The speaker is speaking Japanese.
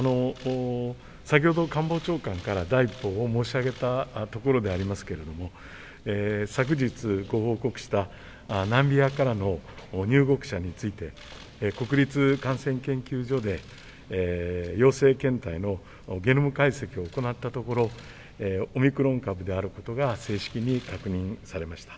先ほど官房長官から第一報を申し上げたところでありますけれども、昨日、ご報告したナミビアからの入国者について国立感染症研究所で陽性検体のゲノム解析を行ったところ、オミクロン株であることが正式に確認されました。